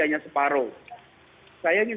hanya separuh saya ingin